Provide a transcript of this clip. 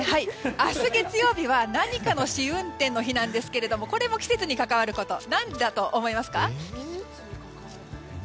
明日月曜日は何かの試運転の日なんですがこれも季節に関わること何だと思いますか？